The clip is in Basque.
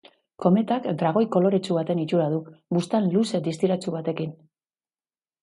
Kometak dragoi koloretsu baten itxura du, buztan luze distiratsu batekin.